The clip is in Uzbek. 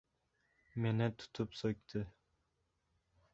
Meni tutib so‘kdi.